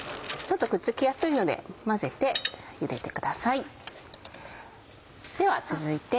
ちょっとくっつきやすいので混ぜてゆでてください。